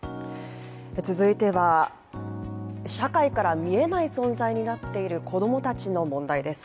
続いては社会から見えない存在になっている子供たちの問題です。